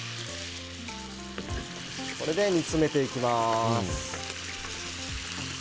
これで煮詰めていきます。